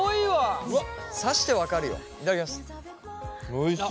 おいしい。